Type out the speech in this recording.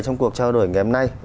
trong cuộc trao đổi ngày hôm nay